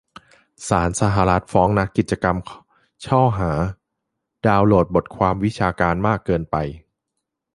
ศาลสหรัฐฟ้องนักกิจกรรมช้อหา "ดาวน์โหลดบทความวิชาการมากเกินไป"